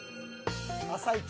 「あさイチ」。